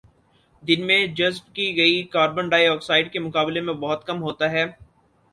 دن میں جذب کی گئی کاربن ڈائی آکسائیڈ کے مقابلے میں بہت کم ہوتا ہے